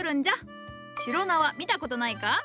シュロ縄見たことないか？